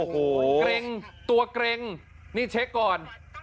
เกร็งตัวเกร็งนี่เช็คก่อน